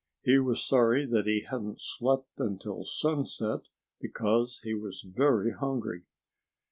He was sorry that he hadn't slept until sunset, because he was very hungry.